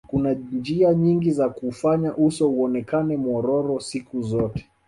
kuna njia nyingi za kuufanya uso uonekane mwororo siku zote